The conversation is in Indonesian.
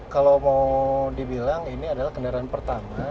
kalau mau dibilang ini adalah kendaraan pertama